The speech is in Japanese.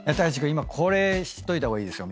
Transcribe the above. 今これ知っといた方がいいですよ」